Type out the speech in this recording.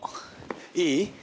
いい？